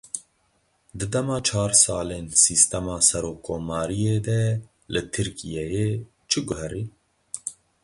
Di dema çar salên Sîstema Serokkomariyê de li Tirkiyeyê çi guherî?